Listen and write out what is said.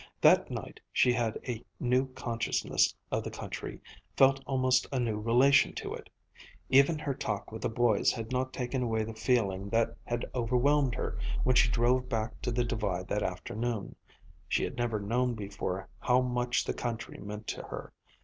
That night she had a new consciousness of the country, felt almost a new relation to it. Even her talk with the boys had not taken away the feeling that had overwhelmed her when she drove back to the Divide that afternoon. She had never known before how much the country meant to her.